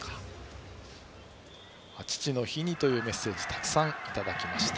父の日にというメッセージをたくさんいただきました。